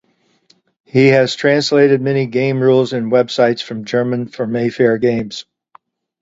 He has translated many game rules and websites from German for Mayfair Games.